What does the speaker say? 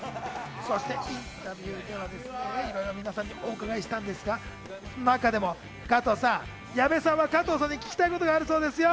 そしてインタビューでは、皆さんにお話を伺ったんですが、中でも矢部さんが加藤さんに聞きたいことがあるそうですよ。